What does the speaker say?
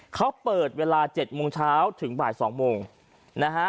เขาเปิดเวลา๗โมงเช้าถึงบ่าย๒โมงนะฮะ